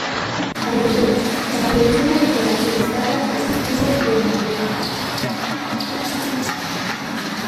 Agricultura: en la producción agrícola se destaca el cultivo de mandioca.